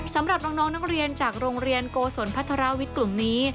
สำหรับน้องนักเรียนจากโรงเรียนโกศลพัฒนาวิทย์กลุ่มนี้